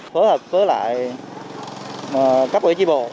phối hợp với lại các bộ chí bộ